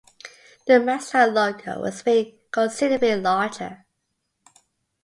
The Mazda logo was made considerably larger.